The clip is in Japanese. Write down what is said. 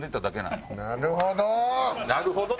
なるほど！